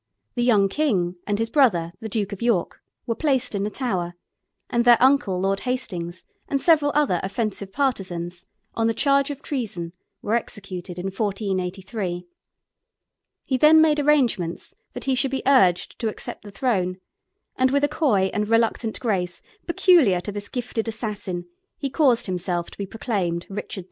The young king and his brother, the Duke of York, were placed in the Tower, and their uncle, Lord Hastings, and several other offensive partisans, on the charge of treason, were executed in 1483. He then made arrangements that he should be urged to accept the throne, and with a coy and reluctant grace peculiar to this gifted assassin, he caused himself to be proclaimed Richard III.